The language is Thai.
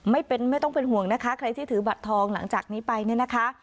ไม่ต้องเป็นห่วงนะคะใครที่ถือบัตรทองหลังจากนี้ไปเนี่ยนะคะ